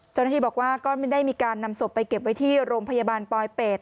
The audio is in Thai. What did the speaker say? เจ้าหน้าที่บอกว่าก็ไม่ได้มีการนำศพไปเก็บไว้ที่โรงพยาบาลปลอยเป็ด